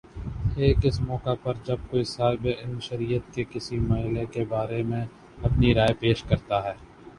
ایک اس موقع پر جب کوئی صاحبِ علم شریعت کے کسی مئلے کے بارے میں اپنی رائے پیش کرتا ہے